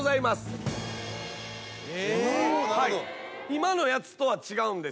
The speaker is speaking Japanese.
今のやつとは違うんです。